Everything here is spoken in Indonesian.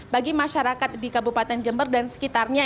bagi masyarakat di kabupaten jember dan sekitarnya